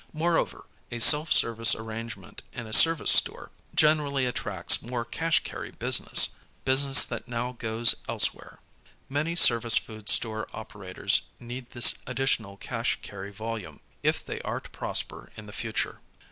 Moreover, a self service arrangement in a service store generally attracts more cash carry business, business that now goes else where. Many service food store operators need this additional cash carry volume if they are to prosper in the future.